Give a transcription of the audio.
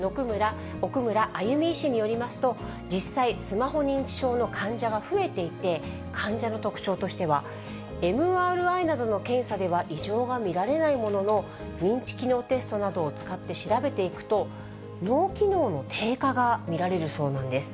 奥村歩医師によりますと、実際、スマホ認知症の患者が増えていて、患者の特徴としては、ＭＲＩなどの検査では異常が見られないものの、認知機能テストなどを使って調べていくと、脳機能の低下が見られるそうなんです。